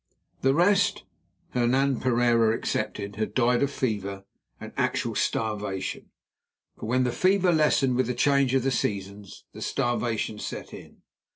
The rest, Hernan Pereira excepted, had died of fever and actual starvation, for when the fever lessened with the change of the seasons, the starvation set in.